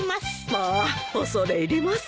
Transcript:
まあ恐れ入ります。